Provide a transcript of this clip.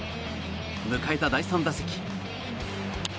迎えた第３打席。